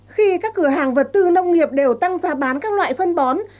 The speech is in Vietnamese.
khi các cửa hàng vật tư nông nghiệp đều tăng giá bán các loại phân bón